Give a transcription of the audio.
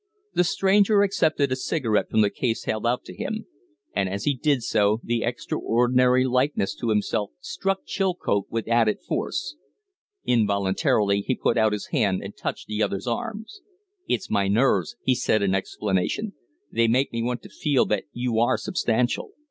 The stranger accepted a cigarette from the case held out to him; and as he did so the extraordinary likeness to himself struck Chilcote with added force. Involuntarily he put out his hand and touched the other's arm. "It's my nerves!" he said, in explanation. "They make me want to feel that you are substantial.